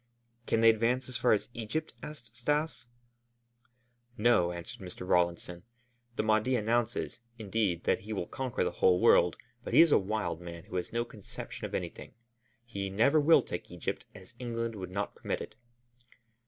"Can they advance as far as Egypt?" asked Stas. "No," answered Mr. Rawlinson. "The Mahdi announces, indeed, that he will conquer the whole world, but he is a wild man who has no conception of anything. He never will take Egypt, as England would not permit it."